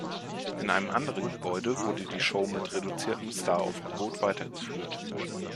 In einem anderen Gebäude wurde die Show mit reduziertem Staraufgebot weitergeführt.